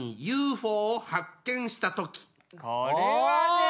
これはね。